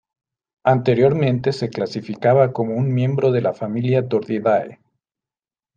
Anteriormente se clasificaba como un miembro de la familia Turdidae.